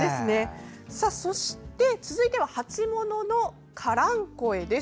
そして、続いては鉢もののカランコエです。